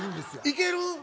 いける？